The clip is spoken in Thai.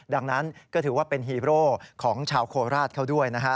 ดังนั้นก็ถือว่าเป็นฮีโร่ของชาวโคราชเขาด้วยนะฮะ